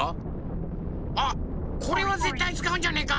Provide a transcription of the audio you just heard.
あっこれはぜったいつかうんじゃねえか？